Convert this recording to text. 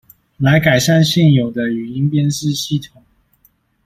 來改善現有的語音辨識系統